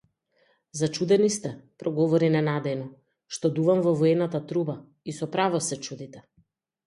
Зачудени сте, проговори ненадејно, што дувам во воената труба и со право се чудите!